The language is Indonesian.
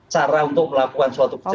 cara untuk melakukan suatu kebijakan